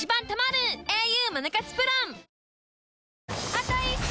あと１周！